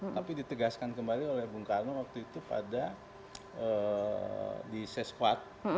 tapi ditegaskan kembali oleh bung karno waktu itu pada di sespat